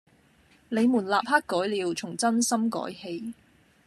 「你們立刻改了，從眞心改起！